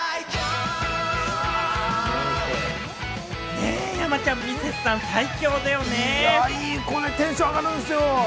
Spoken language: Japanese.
ねぇ、山ちゃん、ミセスさん、テンション上がるんですよ。